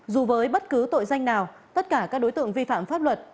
dù với bất cứ tội danh nào tất cả các đối tượng vi phạm pháp luật